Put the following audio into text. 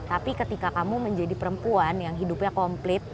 tapi ketika kamu menjadi perempuan yang hidupnya komplit